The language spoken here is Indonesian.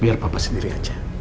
biar papa sendiri aja